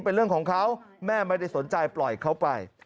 เป็นเรื่องของเขาแม่ไม่ได้สนใจปล่อยเขาไป